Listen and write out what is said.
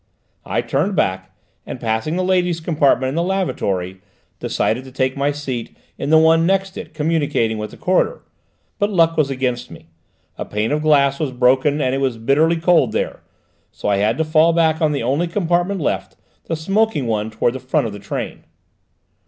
"I turned back and, passing the ladies' compartment and the lavatory, decided to take my seat in the one next it communicating with the corridor. But luck was against me: a pane of glass was broken and it was bitterly cold there; so I had to fall back on the only compartment left, the smoking one towards the front of the train."